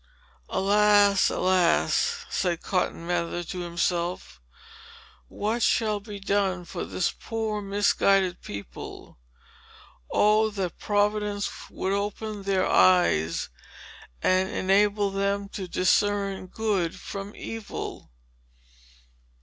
"Alas, alas!" said Cotton Mather to himself. "What shall be done for this poor, misguided people? Oh, that Providence would open their eyes, and enable them to discern good from evil!"